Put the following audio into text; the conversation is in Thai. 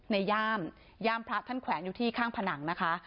ย่ามย่ามพระท่านแขวนอยู่ที่ข้างผนังนะคะ